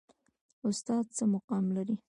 استاد څه مقام لري؟